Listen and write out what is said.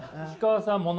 石川さん